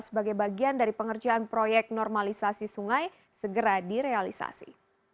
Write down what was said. sebagai bagian dari pengerjaan proyek normalisasi sungai segera direalisasi